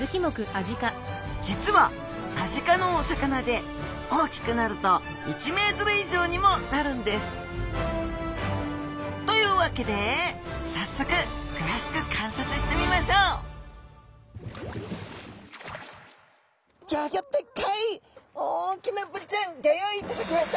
実はアジ科のお魚で大きくなると１メートル以上にもなるんです。というわけで早速詳しく観察してみましょう大きなブリちゃんギョ用意いただきました！